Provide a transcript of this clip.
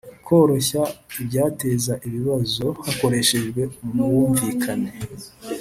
Koroshya ibyateza ibibazo hakoreshejwe ubwumvikana